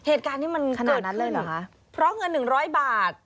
เหตุการณ์นี้มันเกิดขึ้นเพราะเงิน๑๐๐บาท